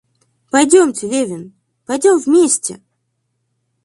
Пойдемте, Левин, пойдем вместе!